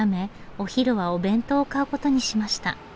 お昼はお弁当を買うことにしました。